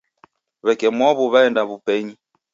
Weke mwaw'u waenda wupenyi